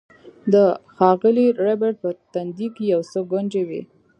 د ښاغلي ربیټ په تندي کې یو څه ګونځې وې